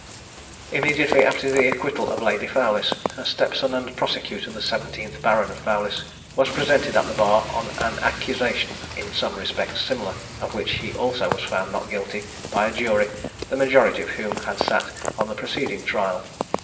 Immediately after the acquittal of Lady Fowlis, her step son and prosecutor, the seventeenth Baron of Fowlis, was presented at the bar on an accusation in some respects similar, of which he also was found not guilty, by a jury, the majority of whom had sat on the preceding trial.